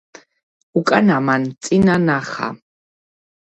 უკანამან წინა ნახა